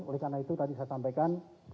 oleh karena itu tadi saya sampaikan